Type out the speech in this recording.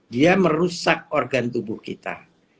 dia merusak organ tubuh kita